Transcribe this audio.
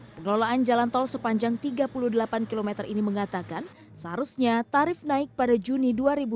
pengelolaan jalan tol sepanjang tiga puluh delapan km ini mengatakan seharusnya tarif naik pada juni dua ribu dua puluh